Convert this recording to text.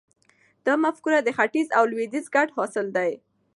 دا مفکوره د ختیځ او لویدیځ ګډ حاصل دی.